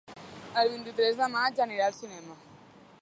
El vint-i-tres de maig anirà al cinema.